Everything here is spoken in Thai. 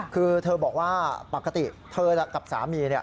คือเธอบอกว่าปกติเธอกับสามี